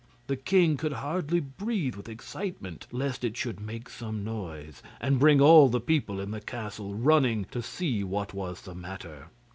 The king could hardly breathe with excitement lest it should make some noise, and bring all the people in the castle running to see what was the matter.